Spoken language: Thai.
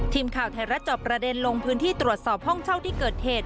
ทีมข่าวไทยรัฐจอบประเด็นลงพื้นที่ตรวจสอบห้องเช่าที่เกิดเหตุ